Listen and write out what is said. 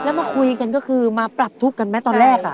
แล้วมาคุยกันก็คือมาปรับทุกข์กันไหมตอนแรก